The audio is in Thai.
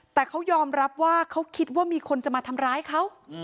แต่เขายอมรับว่าเขาคิดว่ามีคนจะมาทำร้ายเขา